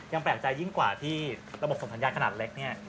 แปลกใจยิ่งกว่าที่ระบบส่งสัญญาณขนาดเล็กเนี่ย